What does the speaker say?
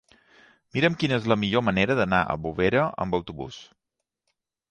Mira'm quina és la millor manera d'anar a Bovera amb autobús.